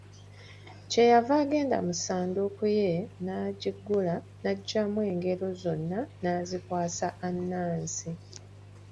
Kye yava agenda mu ssanduuko ye n'agiggula n'aggyamu engero zonna n'azikwasa Anansi.